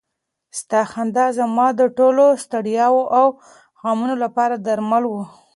ستا خندا زما د ټولو ستړیاوو او غمونو لپاره درمل و.